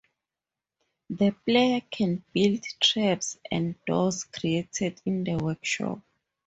The player can build traps and doors, created in the workshop.